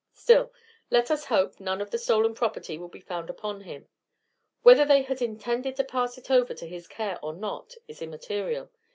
Still, let us hope none of the stolen property will be found upon him; whether they had intended to pass it over to his care or not is immaterial.